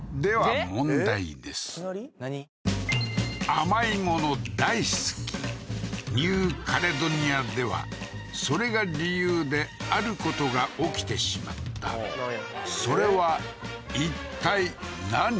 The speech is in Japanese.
甘い物大好きニューカレドニアではそれが理由である事が起きてしまったそれはいったい何？